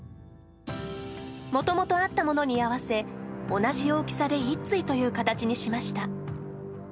もともとあったものに合わせ同じ大きさで一対という大きさにしました。